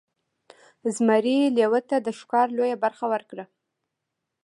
زمري لیوه ته د ښکار لویه برخه ورکړه.